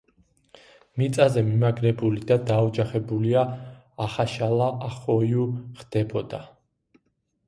მიწაზე მიმაგრებული და დაოჯახებულია ახაშალა ახოიუ ხდებოდა.